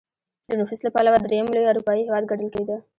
د نفوس له پلوه درېیم لوی اروپايي هېواد ګڼل کېده.